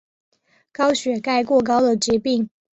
高血钙过高的疾病。